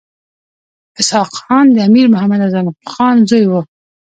اسحق خان د امیر محمد اعظم خان زوی وو.